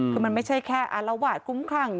คือมันไม่ใช่แค่อารวาสคุ้มคลั่ง